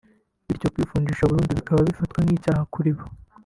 Bityo kwifungisha burundu bikaba bigifatwa nk’icyaha kuribo